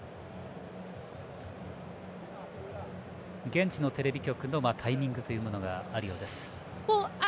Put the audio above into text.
現地のテレビ局のタイミングがあるようです。